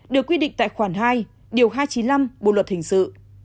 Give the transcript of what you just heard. được quy định tại khoản hai điều hai trăm chín mươi năm bộ luật hình sự